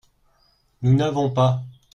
Nous n’avons pas.